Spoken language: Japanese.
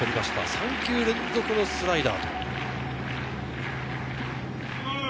３球連続のスライダーです。